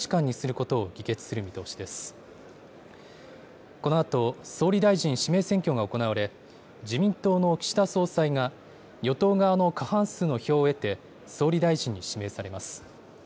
このあと総理大臣指名選挙が行われ、自民党の岸田総裁が、与党側の過半数の票を得て、総理大臣に指名されます。